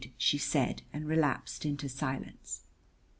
she said, and relapsed into silence.